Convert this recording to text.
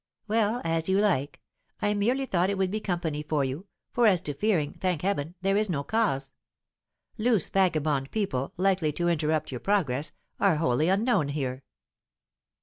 "Well, as you like. I merely thought it would be company for you; for as to fearing, thank heaven, there is no cause. Loose vagabond people, likely to interrupt your progress, are wholly unknown here."